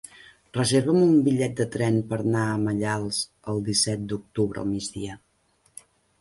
Reserva'm un bitllet de tren per anar a Maials el disset d'octubre al migdia.